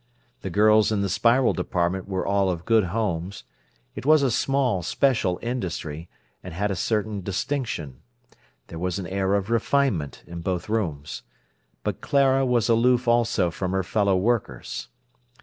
The girls in the Spiral department were all of good homes. It was a small, special industry, and had a certain distinction. There was an air of refinement in both rooms. But Clara was aloof also from her fellow workers.